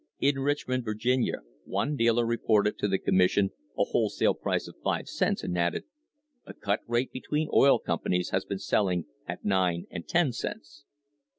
In Richmond, Virginia, one dealer reported to the commission a wholesale price of 5 cents, and added: "A cut rate between oil com panies; has been selling at 9 and 10 cents."